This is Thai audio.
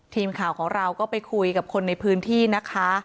ทีมข่าวของเราก็ไปคุยกับคนในพื้นที่นะคะ